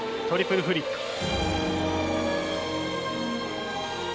トリプルフリップ。